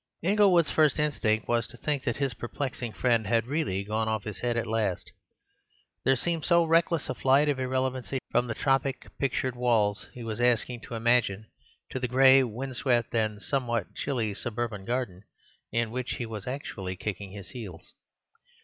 Inglewood's first instinct was to think that his perplexing friend had really gone off his head at last; there seemed so reckless a flight of irrelevancy from the tropic pictured walls he was asked to imagine to the gray, wind swept, and somewhat chilly suburban garden in which he was actually kicking his heels.